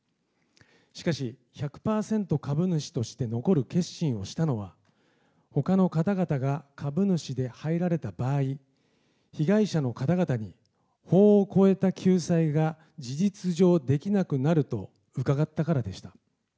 しかし、１００％株主として残る決心をしたのは、ほかの方々が株主で入られた場合、被害者の方々に法を超えた救済が事実上できなくなると伺ったからでした。